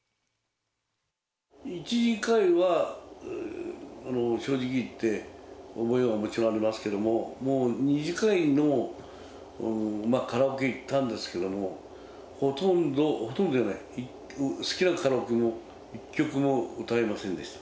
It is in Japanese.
１次会は正直に言って、覚えはもちろんありますけれども、もう、２次会のカラオケ行ったんですけども、ほとんど、ほとんどじゃない、好きなカラオケも１曲も歌えませんでした。